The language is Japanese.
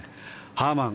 ハーマン